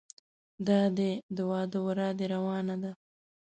دادی د واده ورا دې روانه ده.